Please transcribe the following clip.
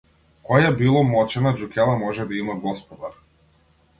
Која било мочана џукела може да има господар.